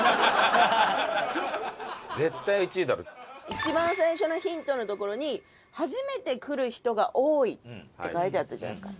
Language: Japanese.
一番最初のヒントのところに「初めて来る人が多い」って書いてあったじゃないですか。